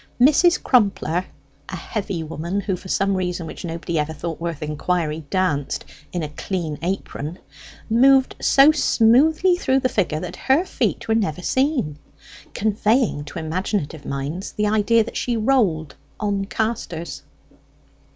Mrs. Crumpler a heavy woman, who, for some reason which nobody ever thought worth inquiry, danced in a clean apron moved so smoothly through the figure that her feet were never seen; conveying to imaginative minds the idea that she rolled on castors.